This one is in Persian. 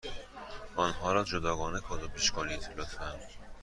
آنها را جداگانه کادو پیچ کنید، لطفا.